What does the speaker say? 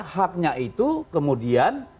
haknya itu kemudian